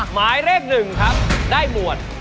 หมายเลข๑ครับได้หมวด